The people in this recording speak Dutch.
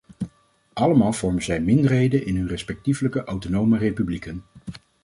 Allemaal vormen zij minderheden in hun respectievelijke autonome republieken.